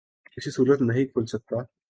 کسی صورت نہیں کھل سکتا